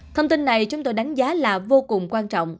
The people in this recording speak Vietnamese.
thông tin này chúng tôi đánh giá là vô cùng quan trọng